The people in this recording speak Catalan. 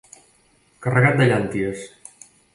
Carregat de llànties.